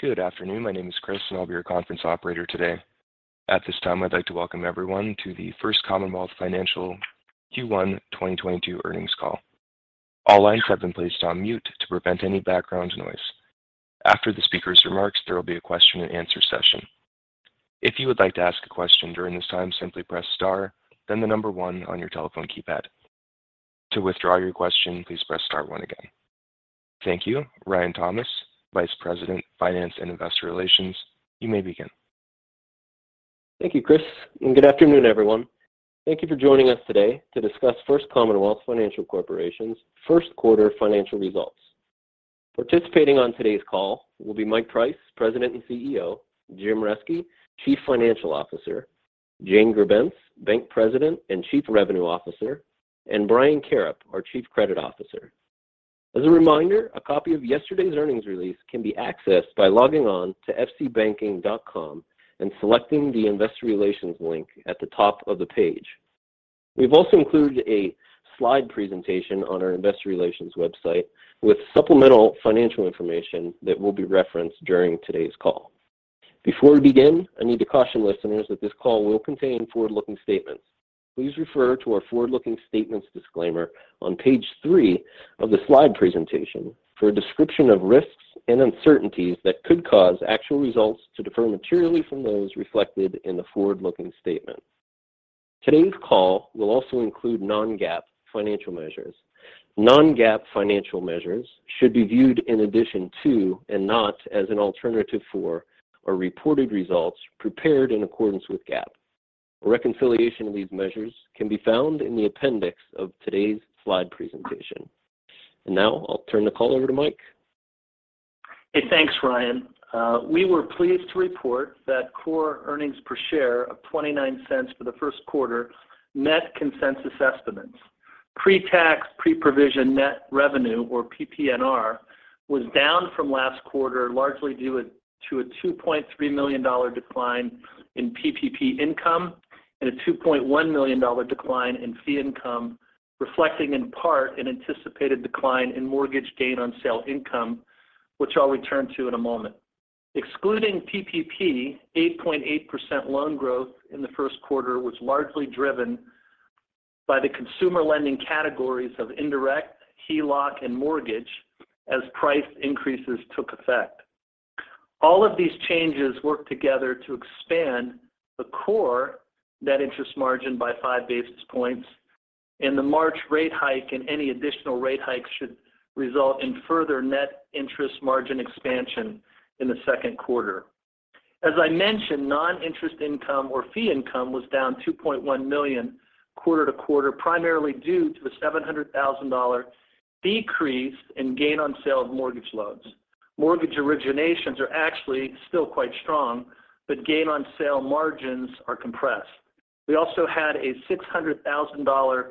Good afternoon. My name is Chris, and I'll be your conference operator today. At this time, I'd like to welcome everyone to the First Commonwealth Financial Q1 2022 Earnings Call. All lines have been placed on mute to prevent any background noise. After the speaker's remarks, there will be a question and answer session. If you would like to ask a question during this time, simply press star then the number one on your telephone keypad. To withdraw your question, please press star one again. Thank you. Ryan Thomas, Vice President, Finance and Investor Relations, you may begin. Thank you, Chris, and good afternoon, everyone. Thank you for joining us today to discuss First Commonwealth Financial Corporation's first quarter financial results. Participating on today's call will be Mike Price, President and CEO, Jim Reske, Chief Financial Officer, Jane Grebenc, Bank President and Chief Revenue Officer, and Brian Karrip, our Chief Credit Officer. As a reminder, a copy of yesterday's earnings release can be accessed by logging on to fcbanking.com and selecting the Investor Relations link at the top of the page. We've also included a slide presentation on our Investor Relations website with supplemental financial information that will be referenced during today's call. Before we begin, I need to caution listeners that this call will contain forward-looking statements. Please refer to our forward-looking statements disclaimer on Page 3 of the slide presentation for a description of risks and uncertainties that could cause actual results to differ materially from those reflected in the forward-looking statement. Today's call will also include non-GAAP financial measures. Non-GAAP financial measures should be viewed in addition to and not as an alternative for our reported results prepared in accordance with GAAP. A reconciliation of these measures can be found in the appendix of today's slide presentation. Now I'll turn the call over to Mike. Hey, thanks, Ryan. We were pleased to report that core earnings per share of $0.29 for the first quarter met consensus estimates. Pre-tax, pre-provision net revenue, or PPNR, was down from last quarter, largely due to a $2.3 million decline in PPP income and a $2.1 million decline in fee income, reflecting in part an anticipated decline in mortgage gain on sale income, which I'll return to in a moment. Excluding PPP, 8.8% loan growth in the first quarter was largely driven by the consumer lending categories of indirect, HELOC, and mortgage as price increases took effect. All of these changes work together to expand the core net interest margin by 5 basis points, and the March rate hike and any additional rate hikes should result in further net interest margin expansion in the second quarter. As I mentioned, non-interest income or fee income was down $2.1 million quarter-over-quarter, primarily due to a $700,000 decrease in gain on sale of mortgage loans. Mortgage originations are actually still quite strong, but gain on sale margins are compressed. We also had a $600,000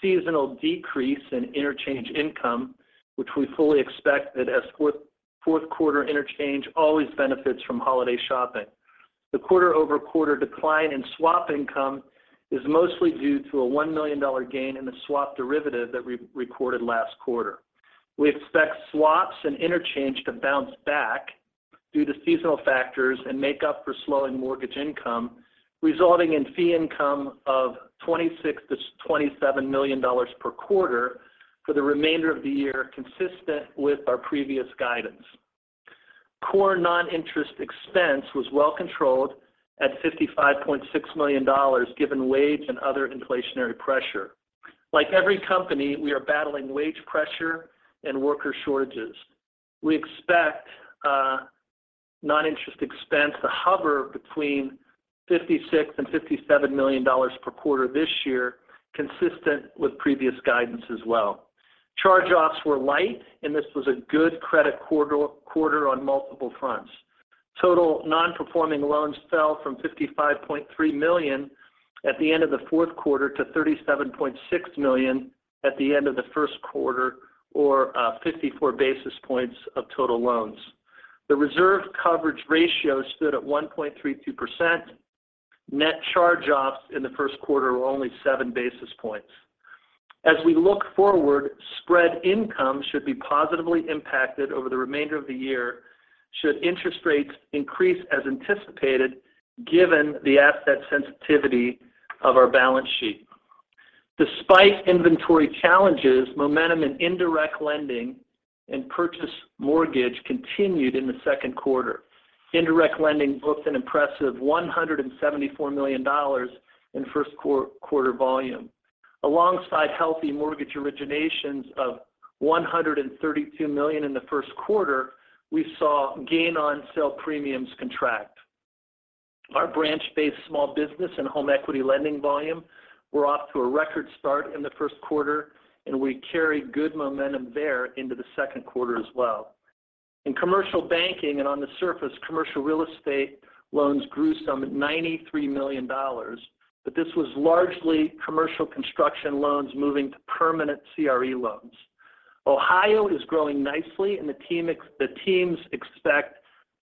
seasonal decrease in interchange income, which we fully expect, as fourth quarter interchange always benefits from holiday shopping. The quarter-over-quarter decline in swap income is mostly due to a $1 million gain in the swap derivative that we recorded last quarter. We expect swaps and interchange to bounce back due to seasonal factors and make up for slowing mortgage income, resulting in fee income of $26 million to $27 million per quarter for the remainder of the year, consistent with our previous guidance. Core non-interest expense was well controlled at $55.6 million, given wage and other inflationary pressure. Like every company, we are battling wage pressure and worker shortages. We expect non-interest expense to hover between $56 million and $57 million per quarter this year, consistent with previous guidance as well. Charge-offs were light, and this was a good credit quarter on multiple fronts. Total non-performing loans fell from $55.3 million at the end of the fourth quarter to $37.6 million at the end of the first quarter or 54 basis points of total loans. The reserve coverage ratio stood at 1.32%. Net charge-offs in the first quarter were only 7 basis points. As we look forward, spread income should be positively impacted over the remainder of the year should interest rates increase as anticipated, given the asset sensitivity of our balance sheet. Despite inventory challenges, momentum in indirect lending and purchase mortgage continued in the second quarter. Indirect lending booked an impressive $174 million in first quarter volume. Alongside healthy mortgage originations of $132 million in the first quarter, we saw gain-on-sale premiums contract. Our branch-based small business and home equity lending volume were off to a record start in the first quarter, and we carried good momentum there into the second quarter as well. In commercial banking and on the surface, commercial real estate loans grew some $93 million, but this was largely commercial construction loans moving to permanent CRE loans. Ohio is growing nicely and the teams expect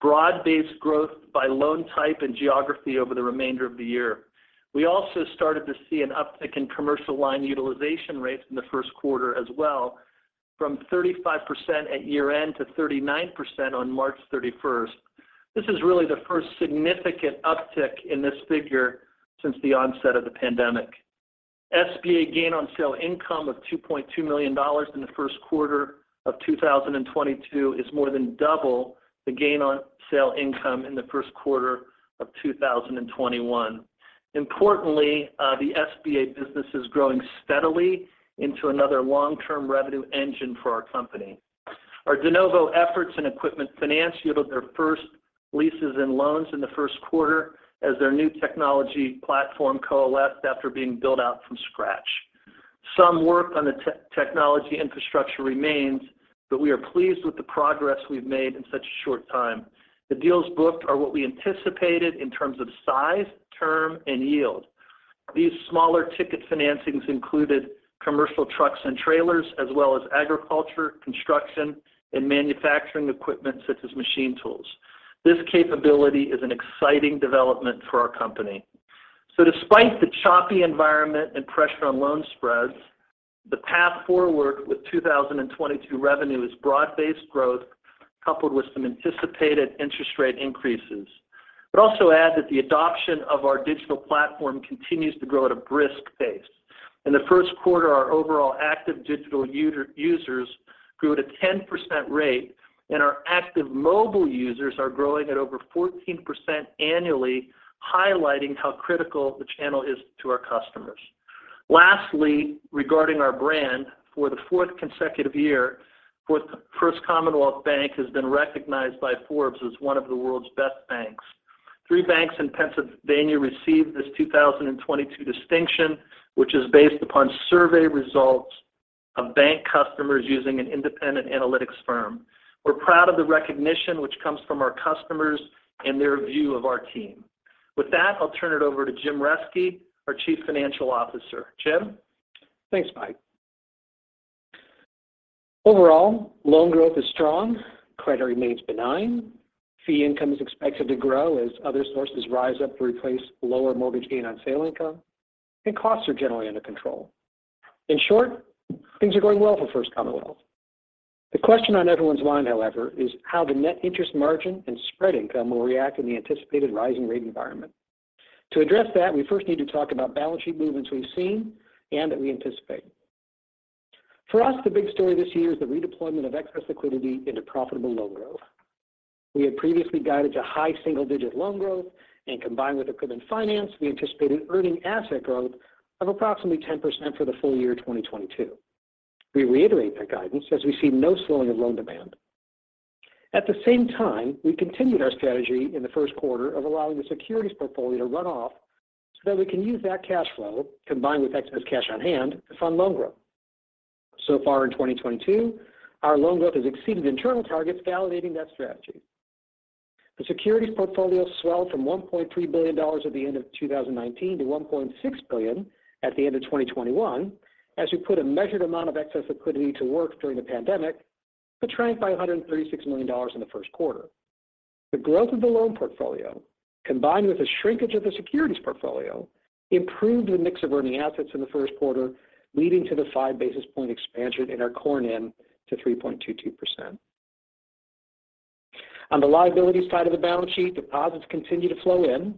broad-based growth by loan type and geography over the remainder of the year. We also started to see an uptick in commercial line utilization rates in the first quarter as well from 35% at year-end to 39% on March 31st. This is really the first significant uptick in this figure since the onset of the pandemic. SBA gain on sale income of $2.2 million in the first quarter of 2022 is more than double the gain on sale income in the first quarter of 2021. Importantly, the SBA business is growing steadily into another long-term revenue engine for our company. Our de novo efforts in equipment finance yielded their first leases and loans in the first quarter as their new technology platform coalesced after being built out from scratch. Some work on the technology infrastructure remains, but we are pleased with the progress we've made in such a short time. The deals booked are what we anticipated in terms of size, term, and yield. These smaller ticket financings included commercial trucks and trailers, as well as agriculture, construction, and manufacturing equipment such as machine tools. This capability is an exciting development for our company. Despite the choppy environment and pressure on loan spreads, the path forward with 2022 revenue is broad-based growth coupled with some anticipated interest rate increases. I'd also add that the adoption of our digital platform continues to grow at a brisk pace. In the first quarter, our overall active digital users grew at a 10% rate, and our active mobile users are growing at over 14% annually, highlighting how critical the channel is to our customers. Lastly, regarding our brand, for the fourth consecutive year, First Commonwealth Bank has been recognized by Forbes as one of the world's best banks. Three banks in Pennsylvania received this 2022 distinction, which is based upon survey results of bank customers using an independent analytics firm. We're proud of the recognition which comes from our customers and their view of our team. With that, I'll turn it over to Jim Reske, our Chief Financial Officer. Jim? Thanks, Mike. Overall, loan growth is strong, credit remains benign, fee income is expected to grow as other sources rise up to replace lower mortgage gain on sale income, and costs are generally under control. In short, things are going well for First Commonwealth. The question on everyone's mind, however, is how the net interest margin and spread income will react in the anticipated rising rate environment. To address that, we first need to talk about balance sheet movements we've seen and that we anticipate. For us, the big story this year is the redeployment of excess liquidity into profitable loan growth. We had previously guided to high single-digit loan growth, and combined with equipment finance, we anticipated earning asset growth of approximately 10% for the full-year 2022. We reiterate that guidance as we see no slowing of loan demand. At the same time, we continued our strategy in the first quarter of allowing the securities portfolio to run off so that we can use that cash flow, combined with excess cash on hand, to fund loan growth. So far in 2022, our loan growth has exceeded internal targets, validating that strategy. The securities portfolio swelled from $1.3 billion at the end of 2019 to $1.6 billion at the end of 2021 as we put a measured amount of excess liquidity to work during the pandemic, but shrank by $136 million in the first quarter. The growth of the loan portfolio, combined with the shrinkage of the securities portfolio, improved the mix of earning assets in the first quarter, leading to the 5 basis point expansion in our core NIM to 3.22%. On the liabilities side of the balance sheet, deposits continued to flow in,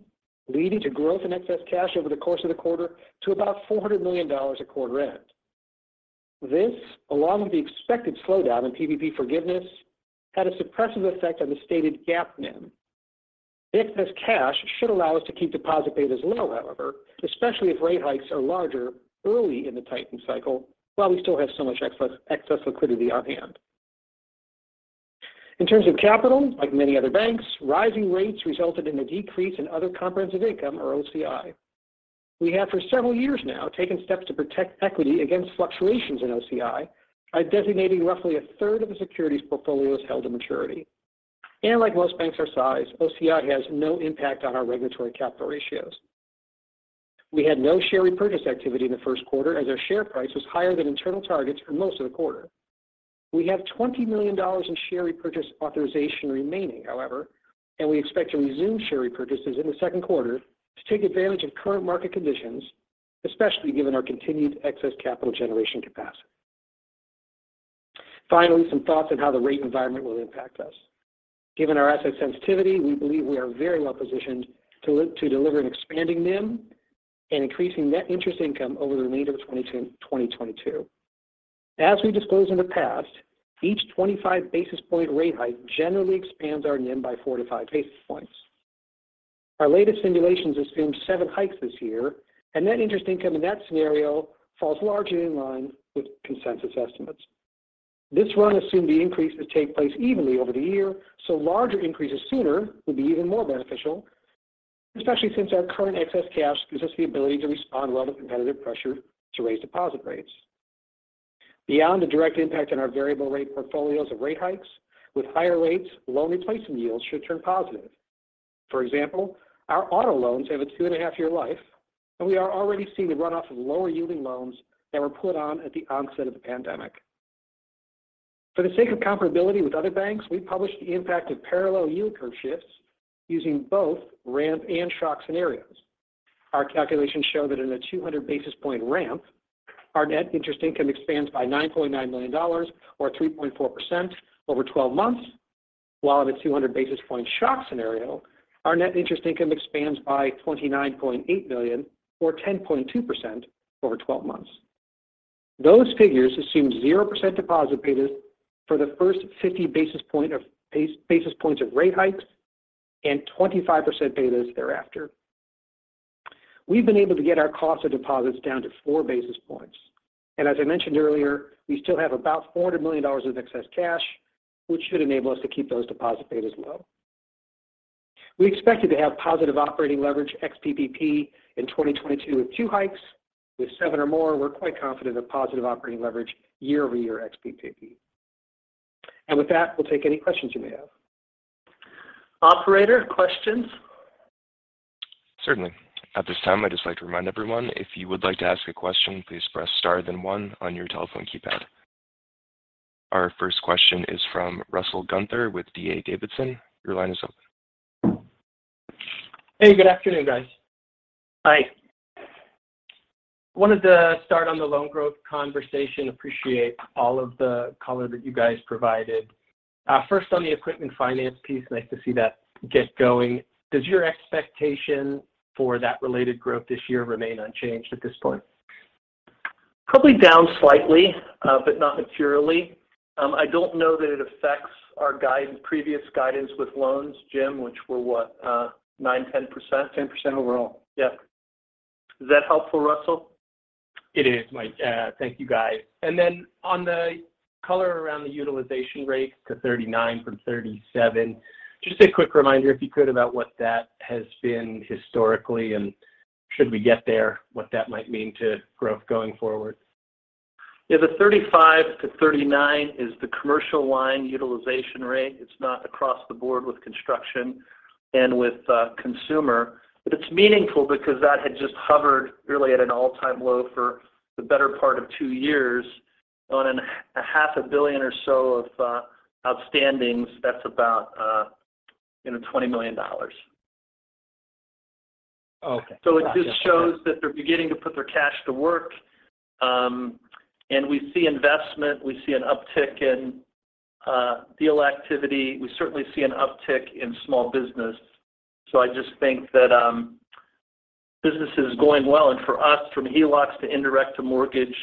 leading to growth in excess cash over the course of the quarter to about $400 million at quarter end. This, along with the expected slowdown in PPP forgiveness, had a suppressive effect on the stated GAAP NIM. The excess cash should allow us to keep deposit betas low, however, especially if rate hikes are larger early in the tightening cycle while we still have so much excess liquidity on hand. In terms of capital, like many other banks, rising rates resulted in a decrease in other comprehensive income or OCI. We have for several years now taken steps to protect equity against fluctuations in OCI by designating roughly a third of the securities portfolios held-to-maturity. Like most banks our size, OCI has no impact on our regulatory capital ratios. We had no share repurchase activity in the first quarter, as our share price was higher than internal targets for most of the quarter. We have $20 million in share repurchase authorization remaining, however, and we expect to resume share repurchases in the second quarter to take advantage of current market conditions, especially given our continued excess capital generation capacity. Finally, some thoughts on how the rate environment will impact us. Given our asset sensitivity, we believe we are very well positioned to deliver an expanding NIM and increasing net interest income over the remainder of 2022. As we've disclosed in the past, each 25 basis point rate hike generally expands our NIM by 4 to 5 basis points. Our latest simulations assume seven hikes this year, and net interest income in that scenario falls largely in line with consensus estimates. This run assumed the increases take place evenly over the year, so larger increases sooner would be even more beneficial, especially since our current excess cash gives us the ability to respond well to competitive pressure to raise deposit rates. Beyond the direct impact on our variable rate portfolios of rate hikes, with higher rates, loan replacement yields should turn positive. For example, our auto loans have a 2.5-year life, and we are already seeing the runoff of lower-yielding loans that were put on at the onset of the pandemic. For the sake of comparability with other banks, we published the impact of parallel yield curve shifts using both ramp and shock scenarios. Our calculations show that in a 200 basis point ramp, our net interest income expands by $9.9 million or 3.4% over 12 months. While at a 200 basis point shock scenario, our net interest income expands by $29.8 million or 10.2% over 12 months. Those figures assume 0% deposit betas for the first 50 basis points of rate hikes and 25% betas thereafter. We've been able to get our cost of deposits down to 4 basis points. As I mentioned earlier, we still have about $400 million of excess cash, which should enable us to keep those deposit betas low. We expected to have positive operating leverage ex PPP in 2022 with two hikes. With seven or more, we're quite confident of positive operating leverage year-over-year ex PPP. With that, we'll take any questions you may have. Operator, questions? Certainly. At this time, I'd just like to remind everyone, if you would like to ask a question, please press star then one on your telephone keypad. Our first question is from Russell Gunther with D.A. Davidson. Your line is open. Hey, good afternoon, guys. Hi. Wanted to start on the loan growth conversation. Appreciate all of the color that you guys provided. First on the equipment finance piece, nice to see that get going. Does your expectation for that related growth this year remain unchanged at this point? Probably down slightly, but not materially. I don't know that it affects our guidance, previous guidance with loans, Jim, which were what, 9%, 10%? 10% overall. Yeah. Is that helpful, Russell? It is, Mike. Thank you, guys. Then on the color around the utilization rate to 39 from 37, just a quick reminder, if you could, about what that has been historically, and should we get there, what that might mean to growth going forward. Yeah. The 35% to 39% is the commercial line utilization rate. It's not across the board with construction and with consumer. It's meaningful because that had just hovered really at an all-time low for the better part of two years on a half billion or so of outstandings. That's about, you know, $20 million. Okay. It just shows that they're beginning to put their cash to work. We see investment. We see an uptick in deal activity. We certainly see an uptick in small business. I just think that business is going well. For us, from HELOCs to indirect to mortgage,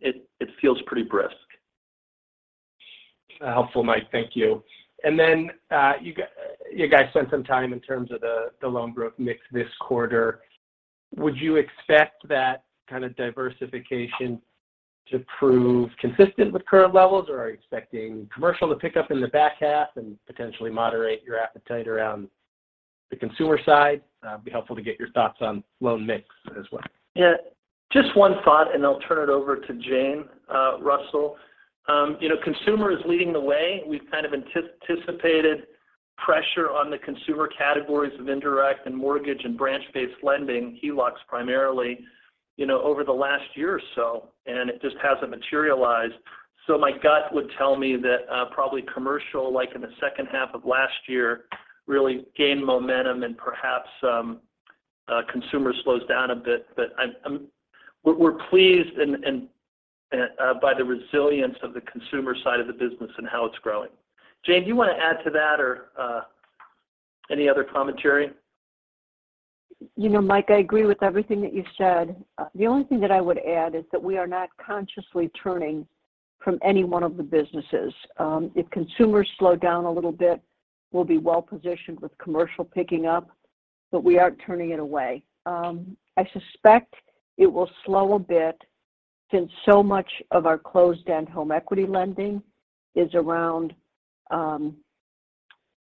it feels pretty brisk. Helpful, Mike. Thank you. You guys spent some time in terms of the loan growth mix this quarter. Would you expect that kind of diversification to prove consistent with current levels? Or are you expecting commercial to pick up in the back half and potentially moderate your appetite around the consumer side? It'd be helpful to get your thoughts on loan mix as well. Yeah. Just one thought, and I'll turn it over to Jane, Russell. You know, consumer is leading the way. We've kind of anticipated pressure on the consumer categories of indirect and mortgage and branch-based lending, HELOCs primarily, you know, over the last year or so, and it just hasn't materialized. My gut would tell me that, probably commercial, like in the second half of last year, really gained momentum and perhaps, consumer slows down a bit. We're pleased and by the resilience of the consumer side of the business and how it's growing. Jane, do you want to add to that or any other commentary? You know, Mike, I agree with everything that you said. The only thing that I would add is that we are not consciously turning from any one of the businesses. If consumers slow down a little bit, we'll be well-positioned with commercial picking up, but we aren't turning it away. I suspect it will slow a bit since so much of our closed-end home equity lending is around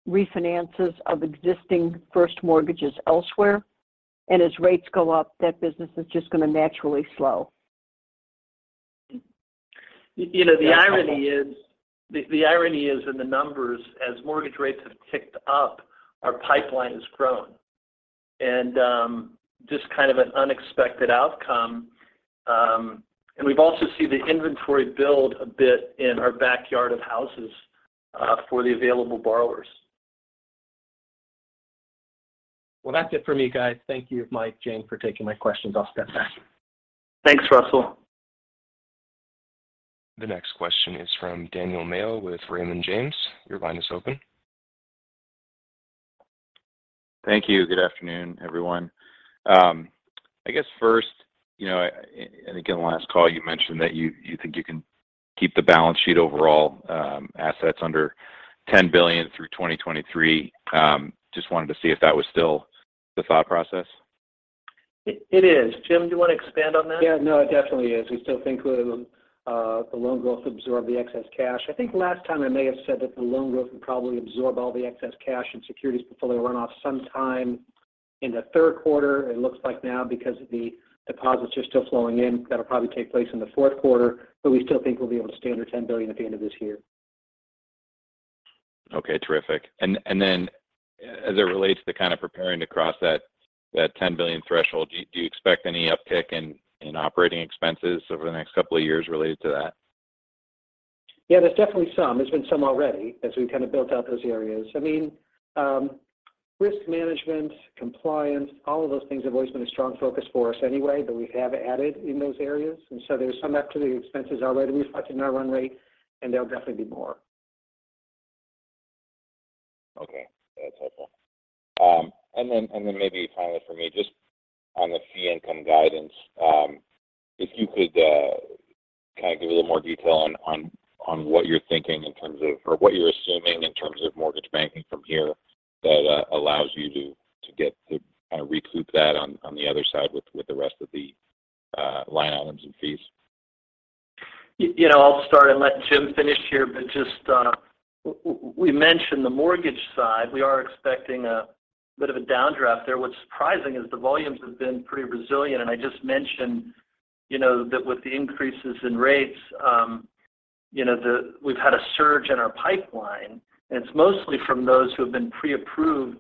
refinances of existing first mortgages elsewhere. As rates go up, that business is just gonna naturally slow. You know, the irony is in the numbers, as mortgage rates have ticked up, our pipeline has grown. Just kind of an unexpected outcome. We've also seen the inventory build a bit in our backyard of houses, for the available borrowers. Well, that's it for me, guys. Thank you, Mike, Jane, for taking my questions. I'll step back. Thanks, Russell. The next question is from Daniel Tamayo with Raymond James. Your line is open. Thank you. Good afternoon, everyone. I guess first, you know, and again, the last call you mentioned that you think you can keep the balance sheet overall, assets under $10 billion through 2023. Just wanted to see if that was still the thought process. It is. Jim, do you want to expand on that? Yeah. No, it definitely is. We still think with the loan growth absorb the excess cash. I think last time I may have said that the loan growth would probably absorb all the excess cash and securities portfolio runoff sometime in the third quarter. It looks like now because the deposits are still flowing in, that'll probably take place in the fourth quarter. We still think we'll be able to stay under $10 billion at the end of this year. Okay, terrific. Then as it relates to kind of preparing to cross that $10 billion threshold, do you expect any uptick in operating expenses over the next couple of years related to that? Yeah, there's definitely some. There's been some already as we kind of built out those areas. I mean, risk management, compliance, all of those things have always been a strong focus for us anyway, but we have added in those areas. There's some activity expenses already reflected in our run rate, and there'll definitely be more. Okay. That's helpful. Maybe finally for me, just on the fee income guidance, if you could kind of give a little more detail on what you're thinking in terms of or what you're assuming in terms of mortgage banking from here that allows you to get to kind of recoup that on the other side with the rest of the line items and fees. You know, I'll start and let Jim finish here. Just, we mentioned the mortgage side. We are expecting a bit of a downdraft there. What's surprising is the volumes have been pretty resilient. I just mentioned, you know, that with the increases in rates, you know, we've had a surge in our pipeline, and it's mostly from those who have been pre-approved,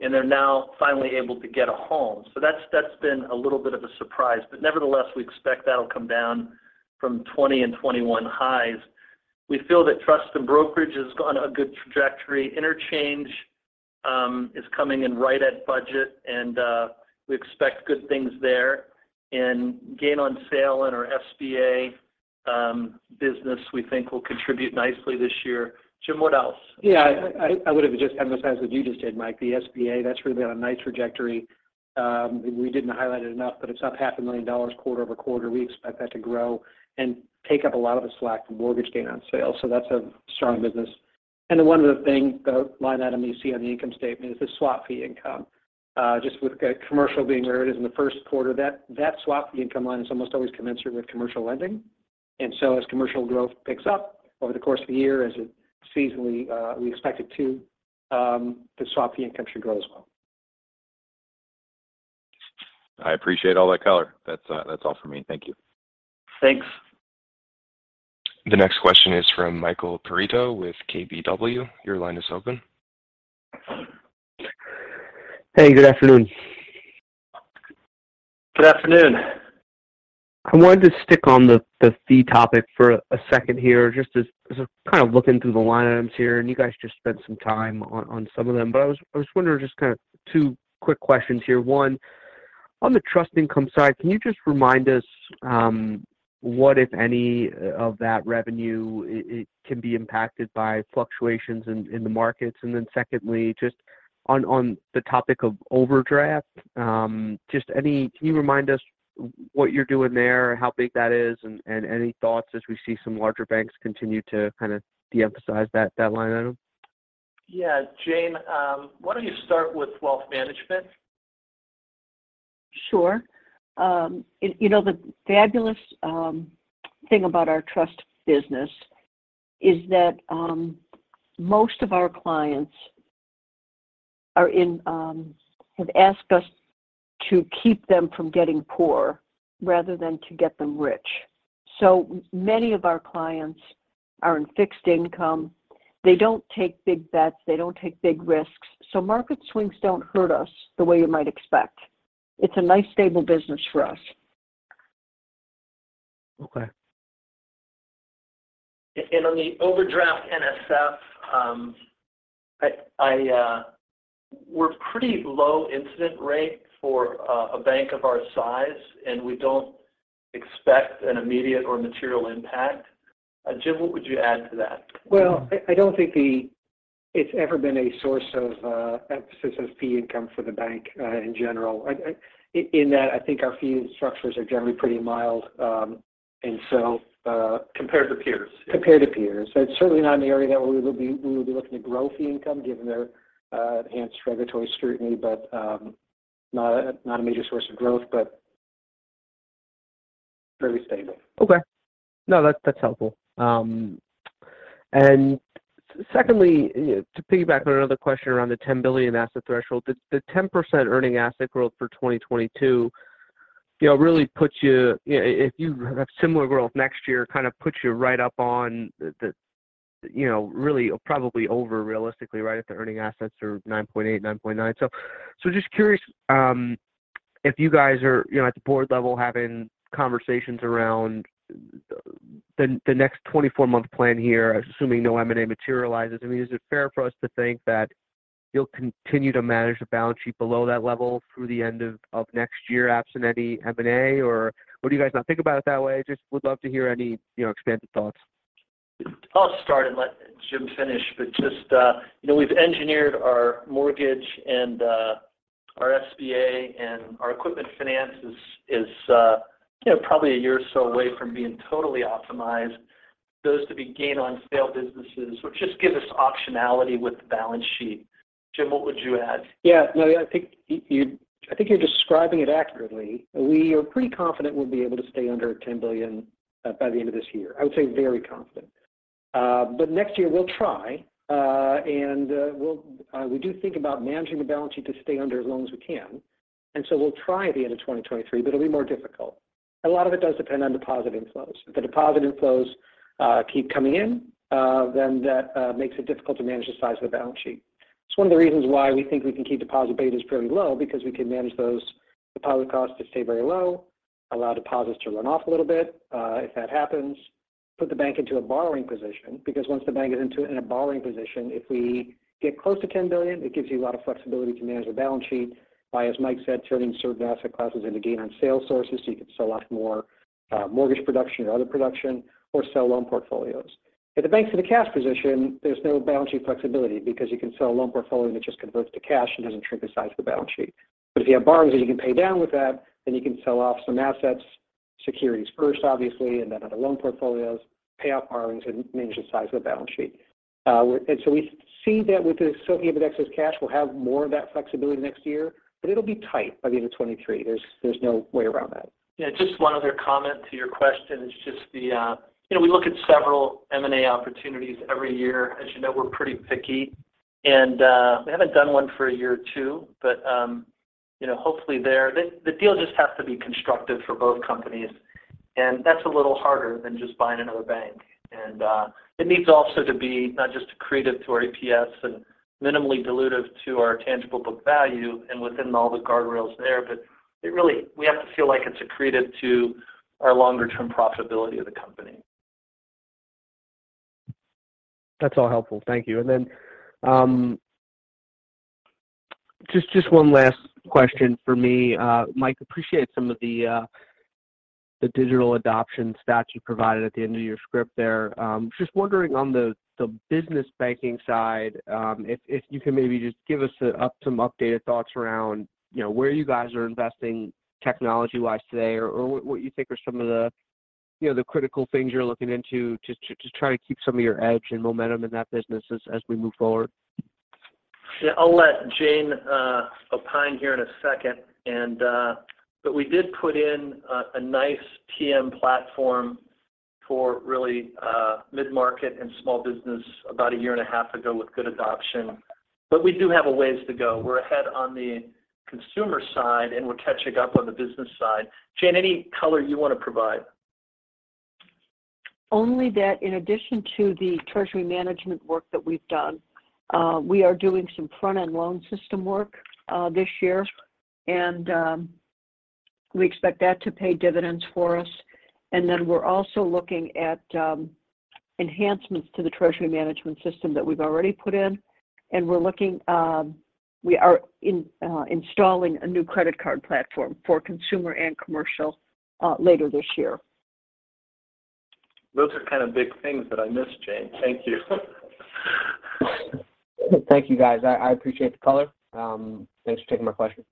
and they're now finally able to get a home. So that's been a little bit of a surprise. Nevertheless, we expect that'll come down from 2020 and 2021 highs. We feel that trust and brokerage is on a good trajectory. Interchange is coming in right at budget, and we expect good things there. Gain on sale in our SBA business we think will contribute nicely this year. Jim, what else? Yeah. I would just emphasize what you just did, Mike. The SBA, that's really on a nice trajectory. We didn't highlight it enough, but it's up half a million dollars quarter-over-quarter. We expect that to grow and take up a lot of the slack from mortgage gain on sale. That's a strong business. Then one of the things, the line item you see on the income statement is the swap fee income. Just with commercial being where it is in the first quarter, that swap fee income line is almost always commensurate with commercial lending. As commercial growth picks up over the course of the year, as it seasonally, we expect it to, the swap fee income should grow as well. I appreciate all that color. That's all for me. Thank you. Thanks. The next question is from Michael Perito with KBW. Your line is open. Hey, good afternoon. Good afternoon. I wanted to stick on the fee topic for a second here. Just as I'm kind of looking through the line items here, and you guys just spent some time on some of them. I was wondering just kind of two quick questions here. One, on the trust income side, can you just remind us what, if any, of that revenue it can be impacted by fluctuations in the markets? And then secondly, just on the topic of overdraft, can you remind us what you're doing there, how big that is, and any thoughts as we see some larger banks continue to kind of de-emphasize that line item? Yeah. Jane, why don't you start with wealth management? Sure. You know, the fabulous thing about our trust business is that most of our clients have asked us to keep them from getting poor rather than to get them rich. Many of our clients are in fixed income. They don't take big bets. They don't take big risks. Market swings don't hurt us the way you might expect. It's a nice, stable business for us. Okay. On the overdraft NSF, we're pretty low incidence rate for a bank of our size, and we don't expect an immediate or material impact. Jim, what would you add to that? Well, I don't think it's ever been a source of emphasis on fee income for the bank in general. In that, I think our fee structures are generally pretty mild. Compared to peers. Compared to peers. It's certainly not an area that we would be looking to grow fee income given the enhanced regulatory scrutiny. Not a major source of growth, but very stable. Okay. No, that's helpful. Secondly, to piggyback on another question around the $10 billion asset threshold. The 10% earning asset growth for 2022, you know, really puts you. If you have similar growth next year, kind of puts you right up on the, you know, really probably over, realistically right at the earning assets are $9.8 billion, $9.9 billion. Just curious, if you guys are, you know, at the board level having conversations around the next 24-month plan here, assuming no M&A materializes. I mean, is it fair for us to think that you'll continue to manage the balance sheet below that level through the end of next year, absent any M&A? Would you guys not think about it that way? Just would love to hear any, you know, expanded thoughts. I'll start and let Jim finish. Just, you know, we've engineered our mortgage and our SBA and our equipment finance is, you know, probably a year or so away from being totally optimized. Those to-be gain-on-sale businesses, which just give us optionality with the balance sheet. Jim, what would you add? Yeah. No, I think you're describing it accurately. We are pretty confident we'll be able to stay under $10 billion by the end of this year. I would say very confident. But next year we'll try, and we do think about managing the balance sheet to stay under as long as we can. We'll try at the end of 2023, but it'll be more difficult. A lot of it does depend on deposit inflows. If the deposit inflows keep coming in, then that makes it difficult to manage the size of the balance sheet. It's one of the reasons why we think we can keep deposit betas fairly low because we can manage those deposit costs to stay very low, allow deposits to run off a little bit. If that happens, put the bank into a borrowing position because once the bank is in a borrowing position, if we get close to $10 billion, it gives you a lot of flexibility to manage the balance sheet by, as Mike said, turning certain asset classes and to gain on sale sources, so you can sell off more, mortgage production or other production or sell loan portfolios. If the bank's in a cash position, there's no balance sheet flexibility because you can sell a loan portfolio that just converts to cash and doesn't shrink the size of the balance sheet. If you have borrowings that you can pay down with that, then you can sell off some assets, securities first, obviously, and then other loan portfolios, pay off borrowings, and manage the size of the balance sheet. We see that with this, some of the excess cash, we'll have more of that flexibility next year, but it'll be tight by the end of 2023. There's no way around that. Yeah. Just one other comment to your question is just the, you know, we look at several M&A opportunities every year. As you know, we're pretty picky and, we haven't done one for a year or two. You know, hopefully the deal just has to be constructive for both companies, and that's a little harder than just buying another bank. It needs also to be not just accretive to our EPS and minimally dilutive to our tangible book value and within all the guardrails there. It really we have to feel like it's accretive to our longer term profitability of the company. That's all helpful. Thank you. Just one last question for me. Mike, appreciate some of the digital adoption stats you provided at the end of your script there. Just wondering on the business banking side, if you can maybe just give us some updated thoughts around, you know, where you guys are investing technology-wise today or what you think are some of the, you know, the critical things you're looking into to try to keep some of your edge and momentum in that business as we move forward. Yeah. I'll let Jane opine here in a second. We did put in a nice TM platform for really mid-market and small business about a year and a half ago with good adoption. We do have a ways to go. We're ahead on the consumer side, and we're catching up on the business side. Jane, any color you want to provide? Only that in addition to the treasury management work that we've done, we are doing some front-end loan system work this year. We expect that to pay dividends for us. We're also looking at enhancements to the treasury management system that we've already put in, and we're installing a new credit card platform for consumer and commercial later this year. Those are kind of big things that I missed, Jane. Thank you. Thank you, guys. I appreciate the color. Thanks for taking my question.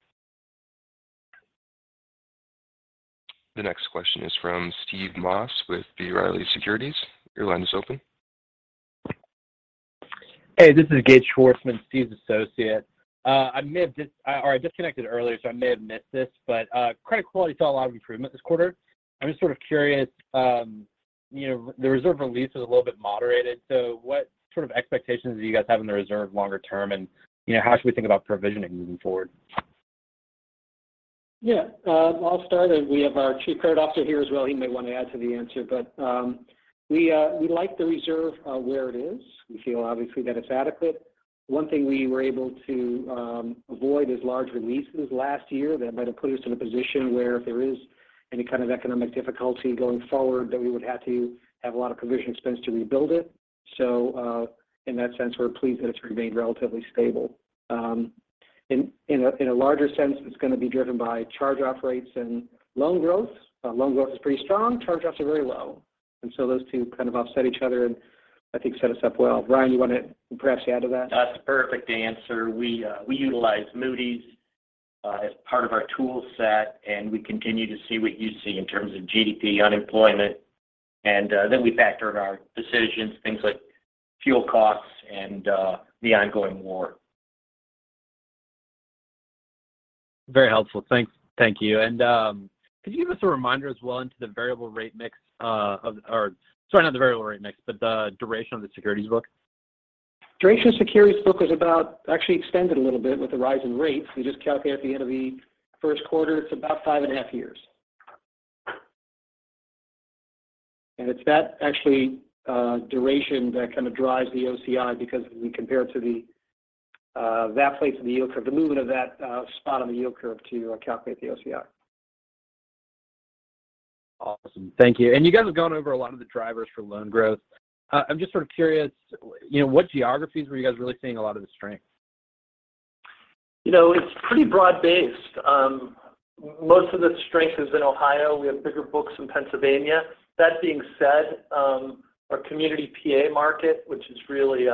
The next question is from Steve Moss with B. Riley Securities. Your line is open. Hey, this is Gates Schwarzmann, Steve's associate. I may have disconnected earlier, so I may have missed this, but credit quality saw a lot of improvement this quarter. I'm just sort of curious, you know, the reserve release was a little bit moderated, so what sort of expectations do you guys have in the reserve longer term? You know, how should we think about provisioning moving forward? Yeah. I'll start. We have our chief credit officer here as well. He may want to add to the answer, but we like the reserve where it is. We feel obviously that it's adequate. One thing we were able to avoid is large releases last year that might have put us in a position where if there is any kind of economic difficulty going forward, that we would have to have a lot of provision expense to rebuild it. In that sense, we're pleased that it's remained relatively stable. In a larger sense, it's going to be driven by charge-off rates and loan growth. Loan growth is pretty strong. Charge-offs are very low. Those two kind of offset each other and I think set us up well. Brian, you wanna perhaps add to that? That's a perfect answer. We utilize Moody's as part of our tool set, and we continue to see what you see in terms of GDP, unemployment. Then we factor in our decisions things like fuel costs and the ongoing war. Very helpful. Thanks. Thank you. Could you give us a reminder as well into the variable rate mix, or sorry, not the variable rate mix, but the duration of the securities book? Duration of the securities book was about actually extended a little bit with the rise in rates. We just calculated at the end of the first quarter, it's about 5.5 years. It's that actually duration that kind of drives the OCI because we compare it to that place in the yield curve, the movement of that spot on the yield curve to calculate the OCI. Awesome. Thank you. You guys have gone over a lot of the drivers for loan growth. I'm just sort of curious, you know, what geographies were you guys really seeing a lot of the strength? You know, it's pretty broad-based. Most of the strength is in Ohio. We have bigger books in Pennsylvania. That being said, our community PA market, which is really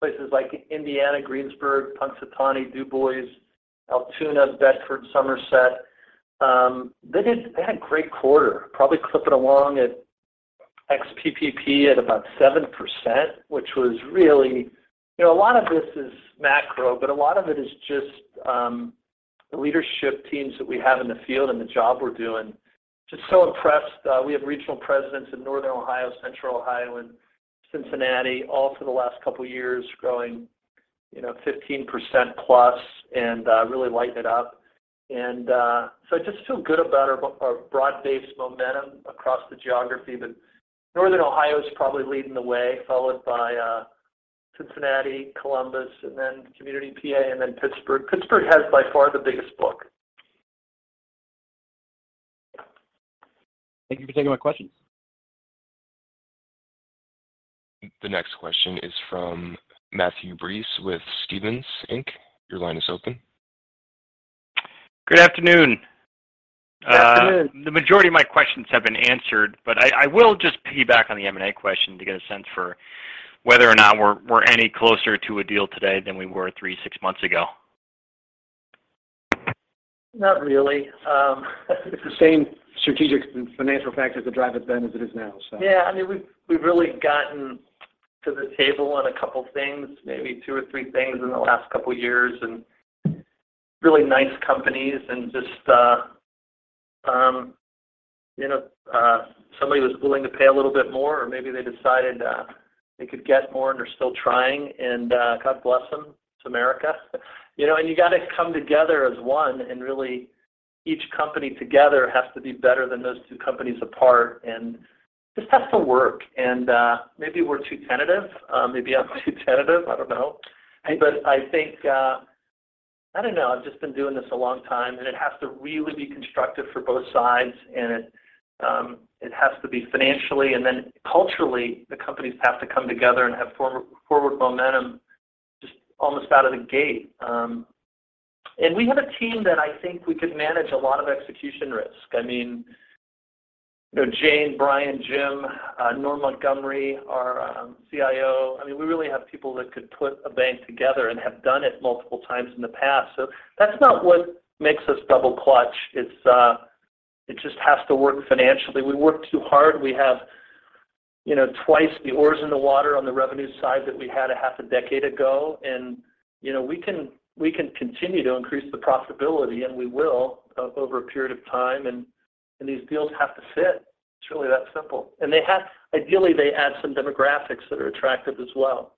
places like Indiana, Greensburg, Punxsutawney, DuBois, Altoona, Bedford, Somerset, they had a great quarter, probably clipping along at ex-PPP at about 7%, which was really. You know, a lot of this is macro, but a lot of it is just the leadership teams that we have in the field and the job we're doing. Just so impressed. We have regional presidents in Northern Ohio, Central Ohio, and Cincinnati, all for the last couple of years growing, you know, 15% plus and really lighting it up. I just feel good about our broad-based momentum across the geography. Northern Ohio is probably leading the way, followed by Cincinnati, Columbus, and then central PA, and then Pittsburgh. Pittsburgh has by far the biggest book. Thank you for taking my questions. The next question is from Matthew Breese with Stephens Inc. Your line is open. Good afternoon. Good afternoon. The majority of my questions have been answered, but I will just piggyback on the M&A question to get a sense for whether or not we're any closer to a deal today than we were three, six months ago. Not really. It's the same strategic and financial factors that drive it then as it is now. Yeah, I mean, we've really gotten to the table on a couple things, maybe two or three things in the last couple years, and really nice companies. Just, you know, somebody was willing to pay a little bit more or maybe they decided, they could get more and they're still trying, and, God bless them. It's America. You know, you got to come together as one, and really each company together has to be better than those two companies apart. This has to work. Maybe we're too tentative. Maybe I'm too tentative, I don't know. I think, I don't know. I've just been doing this a long time, and it has to really be constructive for both sides, and it has to be financially, and then culturally, the companies have to come together and have forward momentum just almost out of the gate. We have a team that I think we could manage a lot of execution risk. I mean, you know, Jane, Brian, Jim, Norm Montgomery, our CIO. I mean, we really have people that could put a bank together and have done it multiple times in the past. That's not what makes us double clutch. It's just has to work financially. We work too hard. We have, you know, twice the oars in the water on the revenue side that we had a half a decade ago. You know, we can continue to increase the profitability, and we will over a period of time. These deals have to fit. It's really that simple. Ideally, they add some demographics that are attractive as well.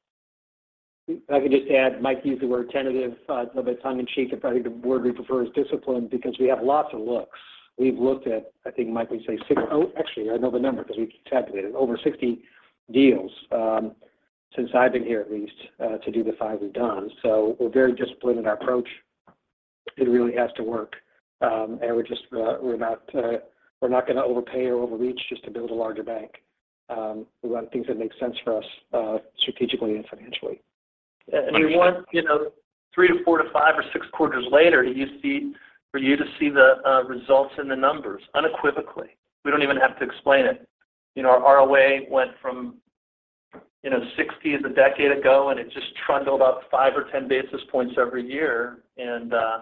If I could just add, Mike used the word tentative, a little bit tongue in cheek. I think the word we prefer is discipline because we have lots of looks. We've looked at. I think Mike would say six. Actually, I know the number because we've calculated over 60 deals, since I've been here at least, to do the 5 we've done. We're very disciplined in our approach. It really has to work. We're just not going to overpay or overreach just to build a larger bank. We want things that make sense for us, strategically and financially. You want, you know, three to four to five or six quarters later you see the results in the numbers unequivocally. We don't even have to explain it. You know, our ROA went from, you know, 60 a decade ago, and it just trundled up 5 or 10 basis points every year.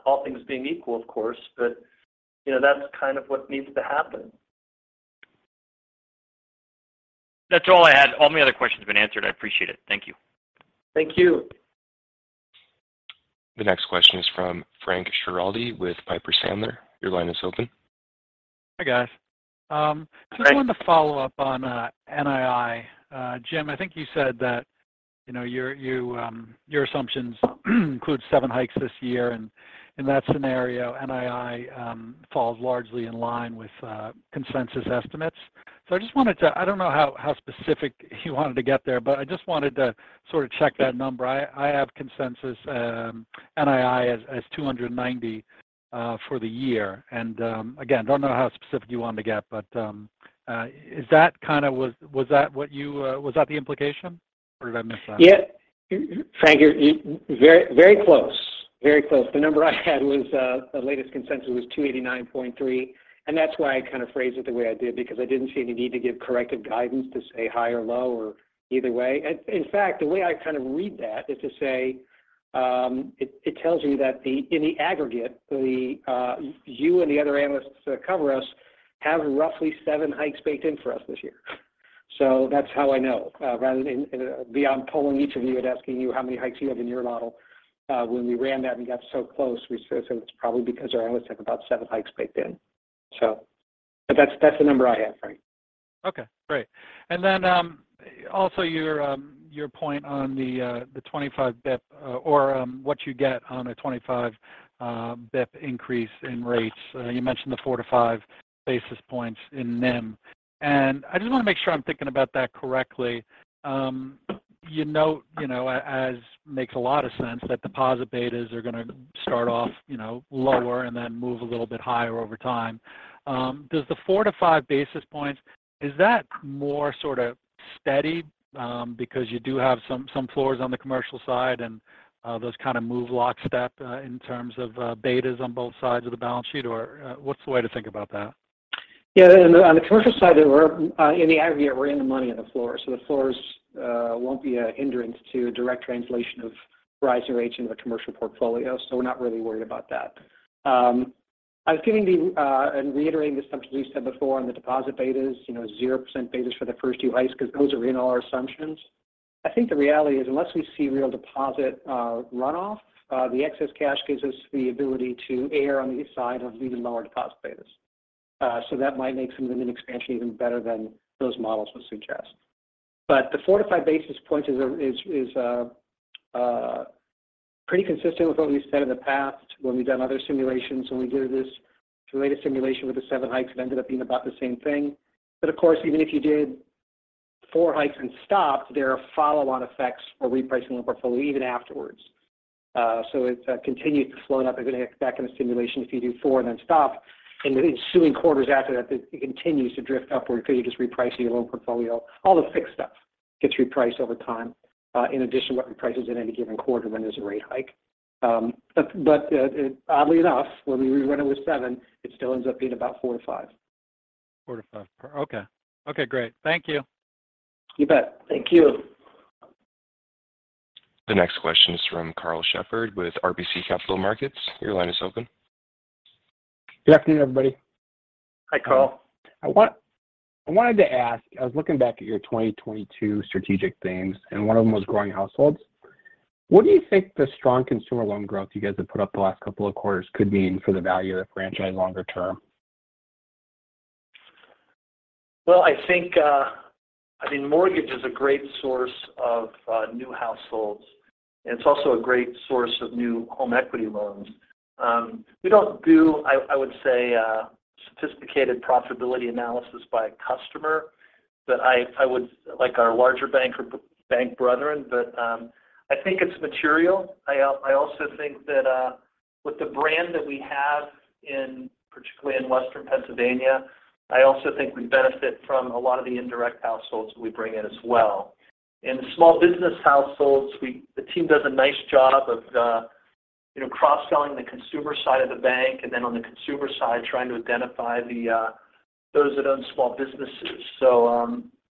All things being equal, of course. You know, that's kind of what needs to happen. That's all I had. All my other questions have been answered. I appreciate it. Thank you. Thank you. The next question is from Frank Schiraldi with Piper Sandler. Your line is open. Hi, guys. Hi. I just wanted to follow up on NII. Jim, I think you said that, you know, your assumptions include seven hikes this year. In that scenario, NII falls largely in line with consensus estimates. I just wanted to. I don't know how specific you wanted to get there, but I just wanted to sort of check that number. I have consensus NII as $290 for the year. Again, don't know how specific you wanted to get, but is that kind of. Was that what you. Was that the implication, or did I miss that? Yeah. Frank, you're very, very close. Very close. The number I had was the latest consensus was $2.893, and that's why I kind of phrased it the way I did, because I didn't see any need to give corrective guidance to say high or low or either way. In fact, the way I kind of read that is to say, it tells me that in the aggregate, you and the other analysts that cover us have roughly seven hikes baked in for us this year. That's how I know. Rather than me polling each of you and asking you how many hikes you have in your model, when we ran that and got so close, we sort of said it's probably because our analysts have about seven hikes baked in. That's the number I have, Frank. Okay, great. Then, also your point on the 25 basis point or what you get on a 25 basis point increase in rates. You mentioned the 4 to 5 basis points in NIM. I just want to make sure I'm thinking about that correctly. You note, you know, as makes a lot of sense, that deposit betas are gonna start off, you know, lower and then move a little bit higher over time. Does the 4 to 5 basis points, is that more sort of steady, because you do have some floors on the commercial side and those kind of move lockstep in terms of betas on both sides of the balance sheet, or what's the way to think about that? Yeah. On the commercial side, we're in the aggregate, we're in the money on the floor. The floors won't be a hindrance to direct translation of rising rates in the commercial portfolio. We're not really worried about that. I was giving and reiterating the assumptions we said before on the deposit betas, you know, 0% betas for the first few hikes because those are in all our assumptions. I think the reality is unless we see real deposit runoff, the excess cash gives us the ability to err on the side of even lower deposit betas. That might make some of the expansion even better than those models would suggest. The 4 to 5 basis points is pretty consistent with what we've said in the past when we've done other simulations, when we did this related simulation with the seven hikes, it ended up being about the same thing. Of course, even if you did four hikes and stopped, there are follow-on effects for repricing the portfolio even afterwards. It continues to flow up as an effect in the simulation if you do four and then stop. In the ensuing quarters after that, it continues to drift upward because you're just repricing your loan portfolio. All the fixed stuff gets repriced over time, in addition to what reprices in any given quarter when there's a rate hike. Oddly enough, when we rerun it with seven, it still ends up being about four to five. Four to five. Okay, great. Thank you. You bet. Thank you. The next question is from Karl Shepard with RBC Capital Markets. Your line is open. Good afternoon, everybody. Hi, Karl. I wanted to ask, I was looking back at your 2022 strategic themes, and one of them was growing households. What do you think the strong consumer loan growth you guys have put up the last couple of quarters could mean for the value of the franchise longer term? Well, I think, I mean, mortgage is a great source of new households, and it's also a great source of new home equity loans. We don't do. I would say sophisticated profitability analysis by customer, but I would like our larger bank brethren. I think it's material. I also think that with the brand that we have in, particularly in Western Pennsylvania, I also think we benefit from a lot of the indirect households we bring in as well. In small business households, the team does a nice job of, you know, cross-selling the consumer side of the bank, and then on the consumer side, trying to identify the those that own small businesses.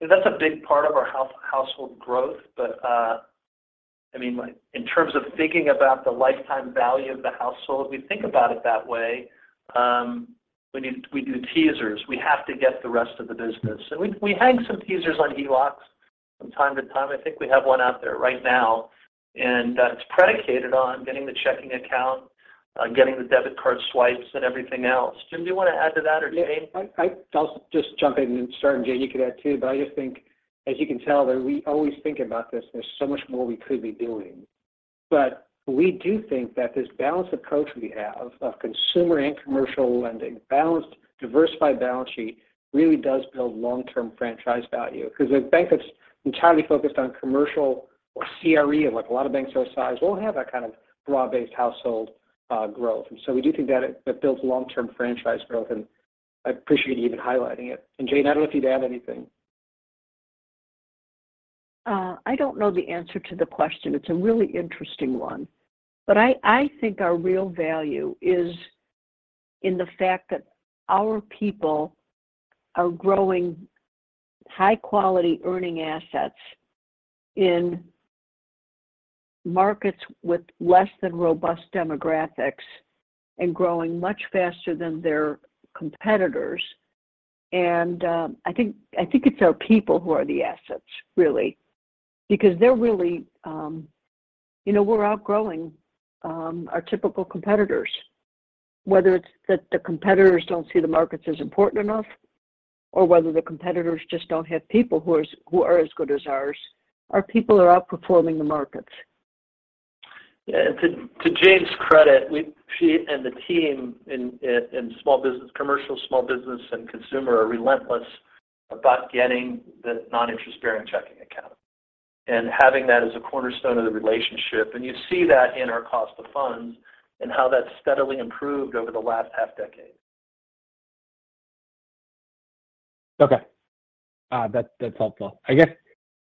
That's a big part of our household growth. I mean, in terms of thinking about the lifetime value of the household, we think about it that way. When we do teasers, we have to get the rest of the business. We hang some teasers on HELOCs from time to time. I think we have one out there right now, and it's predicated on getting the checking account, getting the debit card swipes and everything else. Jim, do you want to add to that or Jane? Yeah. I'll just jump in and start, and Jane, you could add too. I just think, as you can tell, that we always think about this, and there's so much more we could be doing. We do think that this balanced approach we have of consumer and commercial lending, balanced, diversified balance sheet really does build long-term franchise value. Because a bank that's entirely focused on commercial or CRE, like a lot of banks our size, won't have that kind of broad-based household growth. We do think that builds long-term franchise growth, and I appreciate you even highlighting it. Jane, I don't know if you'd add anything. I don't know the answer to the question. It's a really interesting one. I think our real value is in the fact that our people are growing high-quality earning assets in markets with less than robust demographics and growing much faster than their competitors. I think it's our people who are the assets, really, because they're really. You know, we're outgrowing our typical competitors, whether it's that the competitors don't see the markets as important enough or whether the competitors just don't have people who are as good as ours. Our people are outperforming the markets. Yeah. To Jane's credit, she and the team in small business, commercial small business and consumer are relentless about getting the non-interest-bearing checking account and having that as a cornerstone of the relationship. You see that in our cost of funds and how that's steadily improved over the last half-decade. Okay. That's helpful. I guess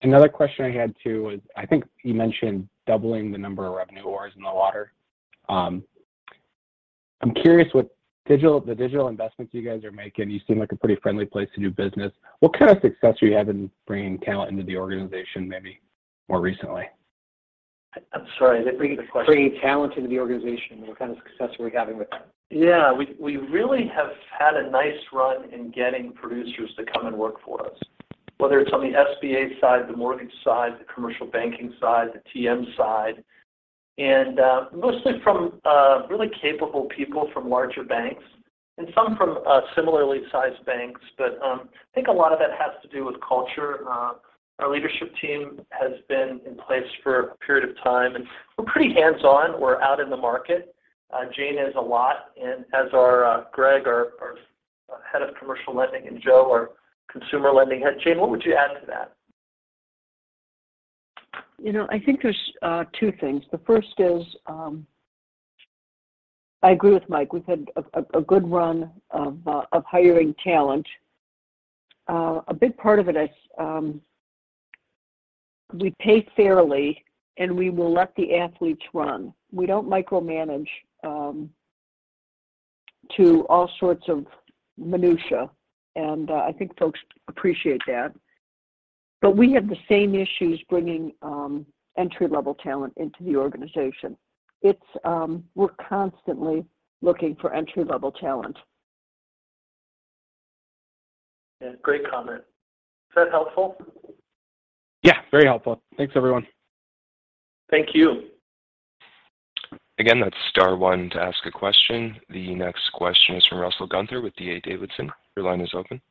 another question I had too was I think you mentioned doubling the number of revenue sources in the water. I'm curious what digital investments you guys are making. You seem like a pretty friendly place to do business. What kind of success are you having bringing talent into the organization maybe more recently? I'm sorry. Repeat the question. Bringing talent into the organization, what kind of success are we having with that? Yeah. We really have had a nice run in getting producers to come and work for us, whether it's on the SBA side, the mortgage side, the commercial banking side, the TM side. Mostly from really capable people from larger banks and some from similarly sized banks. I think a lot of that has to do with culture. Our leadership team has been in place for a period of time, and we're pretty hands-on. We're out in the market. Jane is out a lot, and as are Greg, our head of commercial lending, and Joe, our consumer lending head. Jane, what would you add to that? You know, I think there's two things. The first is, I agree with Mike. We've had a good run of hiring talent. A big part of it is, we pay fairly, and we will let the athletes run. We don't micromanage to all sorts of minutia, and I think folks appreciate that. We have the same issues bringing entry-level talent into the organization. It's. We're constantly looking for entry-level talent. Yeah, great comment. Is that helpful? Yeah, very helpful. Thanks everyone. Thank you. Again, that's star one to ask a question. The next question is from Russell Gunther with D.A. Davidson. Your line is open.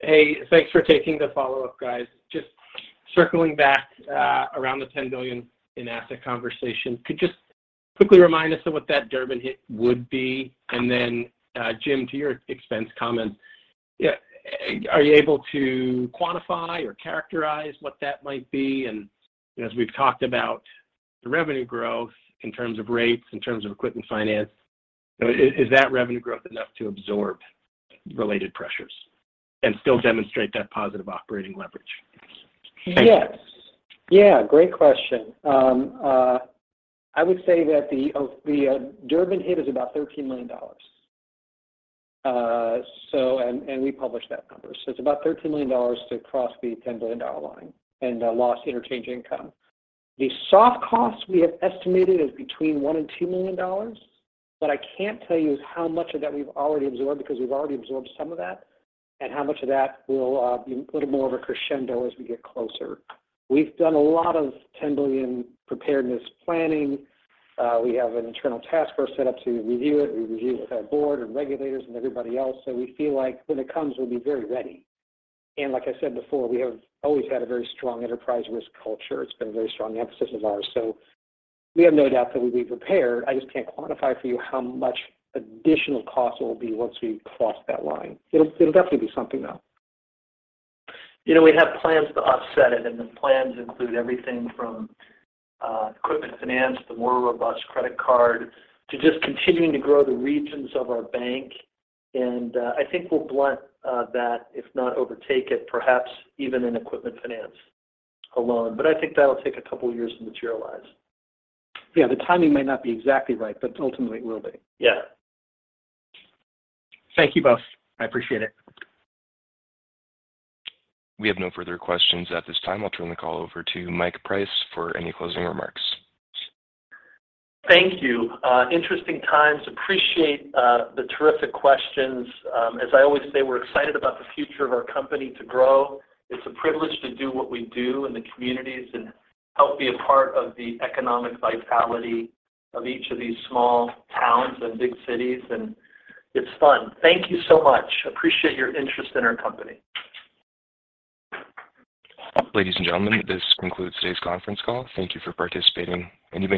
Hey, thanks for taking the follow-up, guys. Just circling back around the $10 billion in assets conversation. Could just quickly remind us of what that Durbin hit would be? And then, Jim, to your expense comment, yeah, are you able to quantify or characterize what that might be? And as we've talked about the revenue growth in terms of rates, in terms of equipment finance, so is that revenue growth enough to absorb related pressures and still demonstrate that positive operating leverage? Yes. Yeah, great question. I would say that the Durbin hit is about $13 million. We published that number. It's about $13 million to cross the $10 billion line and lost interchange income. The soft cost we have estimated is between $1 million to $2 million. What I can't tell you is how much of that we've already absorbed because we've already absorbed some of that, and how much of that will be a little more of a crescendo as we get closer. We've done a lot of $10 billion preparedness planning. We have an internal task force set up to review it. We review it with our board and regulators and everybody else. We feel like when it comes, we'll be very ready. Like I said before, we have always had a very strong enterprise risk culture. It's been a very strong emphasis of ours. We have no doubt that we'll be prepared. I just can't quantify for you how much additional cost it will be once we cross that line. It'll definitely be something, though. You know, we have plans to offset it, and the plans include everything from equipment finance to more robust credit card to just continuing to grow the regions of our bank. I think we'll blunt that, if not overtake it, perhaps even in equipment finance alone. I think that'll take a couple of years to materialize. Yeah, the timing may not be exactly right, but ultimately it will be. Yeah. Thank you both. I appreciate it. We have no further questions at this time. I'll turn the call over to Mike Price for any closing remarks. Thank you. Interesting times. Appreciate the terrific questions. As I always say, we're excited about the future of our company to grow. It's a privilege to do what we do in the communities and help be a part of the economic vitality of each of these small towns and big cities, and it's fun. Thank you so much. Appreciate your interest in our company. Ladies and gentlemen, this concludes today's conference call. Thank you for participating, and you may.